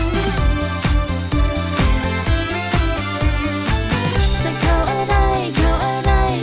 โปรดติดตามตอนต่อไป